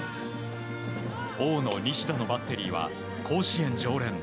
大野、西田のバッテリーは甲子園常連